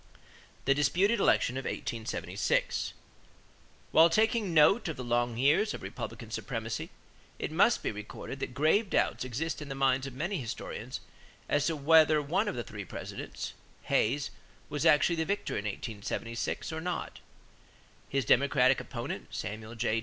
=The Disputed Election of 1876.= While taking note of the long years of Republican supremacy, it must be recorded that grave doubts exist in the minds of many historians as to whether one of the three Presidents, Hayes, was actually the victor in 1876 or not. His Democratic opponent, Samuel J.